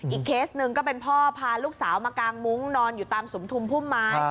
เคสหนึ่งก็เป็นพ่อพาลูกสาวมากางมุ้งนอนอยู่ตามสุมทุมพุ่มไม้